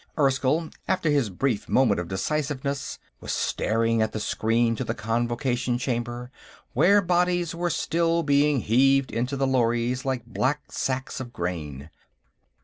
Erskyll, after his brief moment of decisiveness, was staring at the screen to the Convocation Chamber, where bodies were still being heaved into the lorries like black sacks of grain.